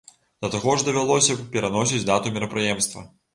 Да таго ж давялося б пераносіць дату мерапрыемства.